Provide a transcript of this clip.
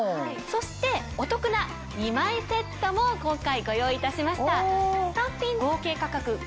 そしてお得な２枚セットも今回ご用意いたしました。